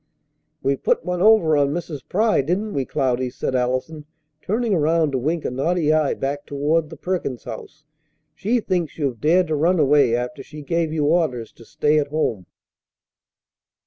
"We put one over on Mrs. Pry, didn't we, Cloudy?" said Allison, turning around to wink a naughty eye back toward the Perkins house. "She thinks you've dared to run away after she gave you orders to stay at home."